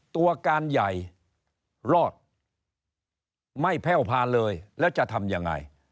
ตัวการใหญ่รอดไม่แพ่วพาเลยแล้วจะทำยังไง